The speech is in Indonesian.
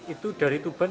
itu dari tuban